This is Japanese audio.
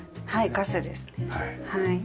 ガスですね。